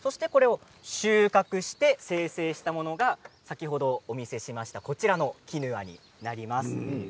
収穫して精製したものが先ほどお見せしましたこちらのキヌアになります。